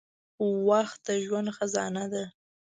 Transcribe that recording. • وخت د ژوند خزانه ده.